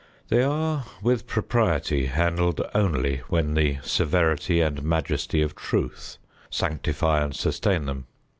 They are with propriety handled only when the severity and majesty of Truth sanctify and sustain them.